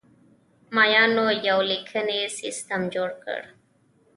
مایانو یو لیکنی سیستم جوړ کړ.